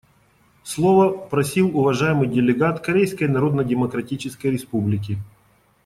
Слова просил уважаемый делегат Корейской Народно-Демократической Республики.